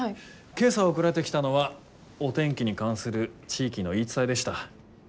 今朝送られてきたのはお天気に関する地域の言い伝えでした。